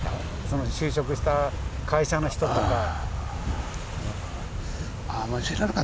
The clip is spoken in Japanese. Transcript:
その就職した会社の人とか。